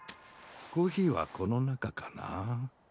コーヒーはこの中かな？